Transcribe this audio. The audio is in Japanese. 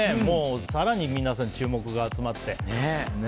更に皆さん注目が集まってね。